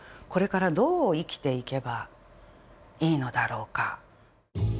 これからどう生きていけばいいのだろうか。